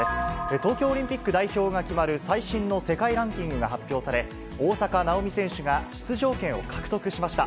東京オリンピック代表が決まる最新の世界ランキングが発表され、大坂なおみ選手が出場権を獲得しました。